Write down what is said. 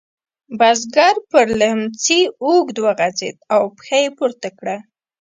بزګر پر لیهمڅي اوږد وغځېد او پښه یې پورته کړه.